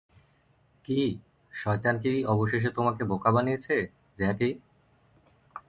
কি, শয়তান কি অবশেষে তোমাকে বোকা বানিয়েছে, জ্যাকি?